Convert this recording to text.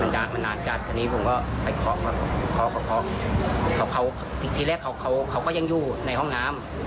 ตอนนี้ผมก็ไปคล้อกทีหนึ่งแลกเขายังอยู่ในห้องน้ำ